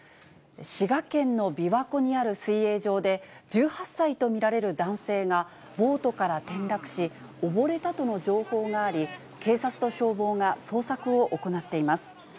滋賀県の琵琶湖にある水泳場で、１８歳と見られる男性がボートから転落し、溺れたとの情報があり、警察と消防が捜索を行っています。